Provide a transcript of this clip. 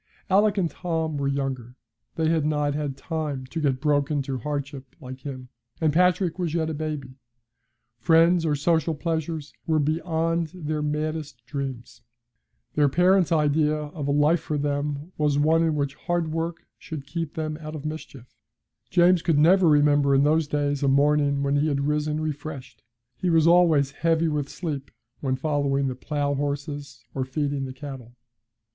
Alick and Tom were younger. They had not had time to get broken to hardship like him, and Patrick was yet a baby. Friends or social pleasures were beyond their maddest dreams. Their parents' idea of a life for them was one in which hard work should keep them out of mischief. James could never remember in those days a morning when he had risen refreshed; he was always heavy with sleep when following the plough horses, or feeding the cattle.